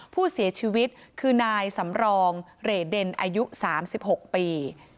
ผู้เสียชีวิตคือนายสำรองเรเดนอายุ๓๖ปี